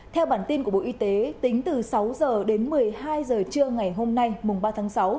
theo bản tin của bộ y tế tính từ sáu h đến một mươi hai h trưa ngày hôm nay mùng ba tháng sáu